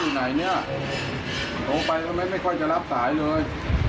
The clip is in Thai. ไหนเนี่ยโทรไปก็ไม่ค่อยจะรับสายเลย